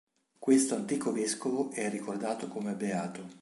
Questo antico vescovo è ricordato come beato.